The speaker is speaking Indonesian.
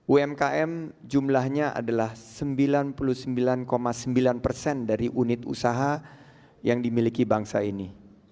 umkm jumlahnya adalah sembilan puluh sembilan sembilan persen dari unit usaha yang dimiliki bangsa ini